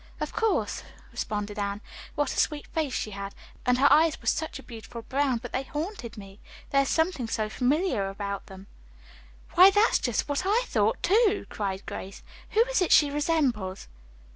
"Of course," responded Anne. "What a sweet face she had, and her eyes were such a beautiful brown, but they haunted me. There is something so familiar about them." "Why, that's just what I thought, too!" cried Grace. "Who is it she resembles?"